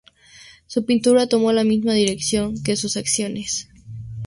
Su pintura tomó la misma dirección que sus acciones.